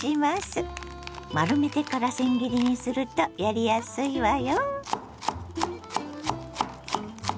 丸めてからせん切りにするとやりやすいわよ。